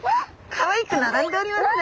かわいく並んでおりますね。